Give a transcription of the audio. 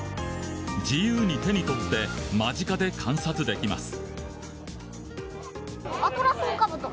自由に手にとって間近で観察できます。